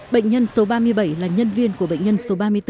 bệnh nhân số ba mươi bảy là nhân viên của bệnh nhân số ba mươi bốn